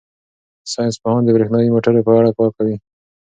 ساینس پوهان د بریښنايي موټرو په اړه کار کوي.